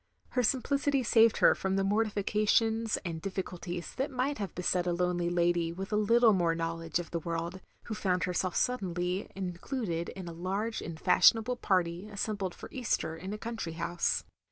Her simplicity saved her from the mortifica tions and difficulties that might have beset a lonely lady with a little more knowledge of the world, who found herself suddenly included in a large and fashionable party assembled for Easter in a country house.